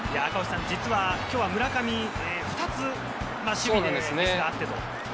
実は今日、村上２つ守備でミスがあってと。